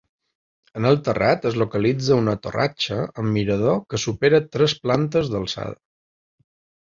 En el terrat es localitza una torratxa amb mirador que supera tres plantes d'alçada.